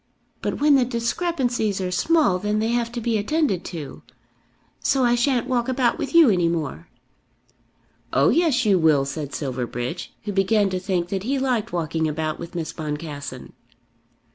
But when the discrepancies are small, then they have to be attended to. So I shan't walk about with you any more." "Oh yes, you will," said Silverbridge, who began to think that he liked walking about with Miss Boncassen.